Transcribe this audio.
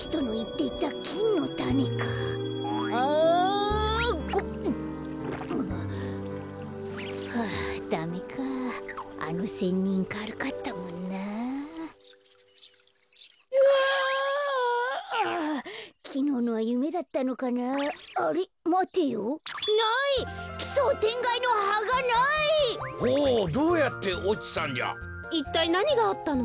いったいなにがあったの？